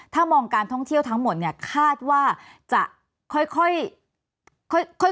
ถ้ามองการท่องเที่ยวทั้งหมดเนี่ยคาดว่าจะค่อย